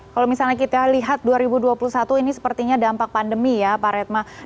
pagi mbak pagi mbak